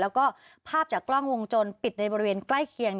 แล้วก็ภาพจากกล้องวงจรปิดในบริเวณใกล้เคียง